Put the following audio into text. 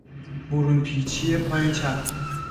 برون پیچی پای چپ